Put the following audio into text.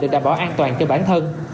để đảm bảo an toàn cho bản thân